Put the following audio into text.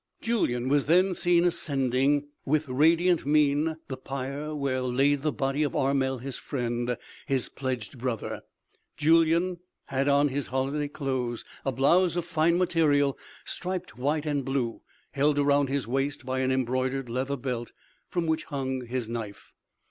Julyan was then seen ascending with radiant mien the pyre where lay the body of Armel, his friend his pledged brother. Julyan had on his holiday clothes: a blouse of fine material striped white and blue, held around his waist by an embroidered leather belt, from which hung his knife.